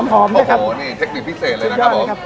โอ้โหนี่เทคนิคพิเศษเลยนะครับผม